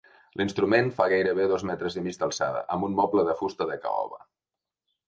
L'instrument fa gairebé dos metres i mig d'alçada, amb un moble de fusta de caoba.